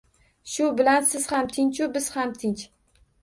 Shu bilan siz ham tinch-u, biz ham tinch